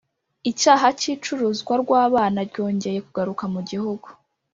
icyaha cy’icuruzwa rw’abana ryongeye kugaruka mu Gihugu